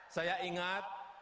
saya ingat dulu pertama kali